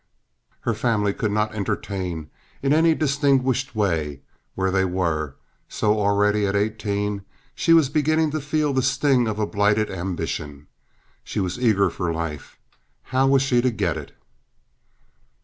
Her family could not entertain in any distinguished way where they were, and so already, at eighteen, she was beginning to feel the sting of a blighted ambition. She was eager for life. How was she to get it?